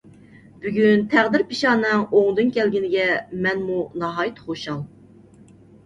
بۈگۈن تەقدىر - پېشانەڭ ئوڭدىن كەلگىنىگە مەنمۇ ناھايىتى خۇشال.